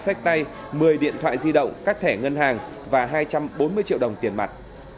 sách tay một mươi điện thoại di động các thẻ ngân hàng và hai trăm bốn mươi triệu đồng tiền mặt